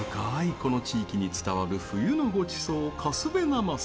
この地域に伝わる冬のごちそう「カスベなます」。